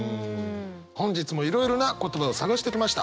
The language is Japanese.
本日もいろいろな言葉を探してきました。